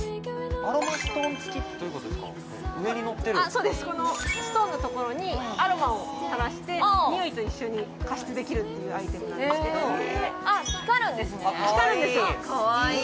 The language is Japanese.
そうですこのストーンのところにアロマを垂らして匂いと一緒に加湿できるっていうアイテムなんですけど光るんですね光るんですよかわいい！